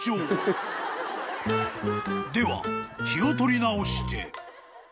［では気を取り直して］